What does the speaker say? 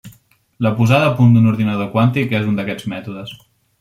La posada a punt d'un ordinador quàntic és un d'aquests mètodes.